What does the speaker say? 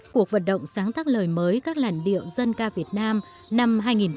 cuộc vận động sáng tác lời mới các làn điệu dân ca việt nam năm hai nghìn một mươi tám